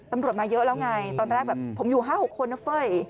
มาเยอะแล้วไงตอนแรกแบบผมอยู่๕๖คนนะเฟ้ย